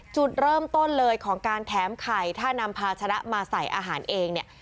จุดเริ่มต้นเลยของการแถมไข่ถ้านำพาชนะมาใส่อาหารเองเนี่ย